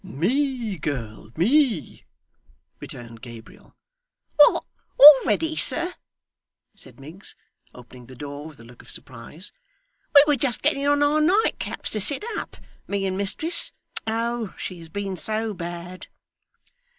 'Me, girl, me,' returned Gabriel. What, already, sir!' said Miggs, opening the door with a look of surprise. 'We were just getting on our nightcaps to sit up, me and mistress. Oh, she has been SO bad!